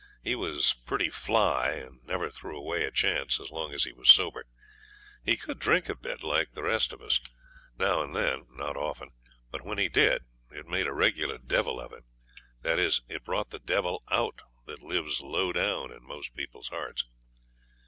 He was pretty 'fly', and never threw away a chance as long as he was sober. He could drink a bit, like the rest of us, now and then not often but when he did it made a regular devil of him that is, it brought the devil out that lives low down in most people's hearts.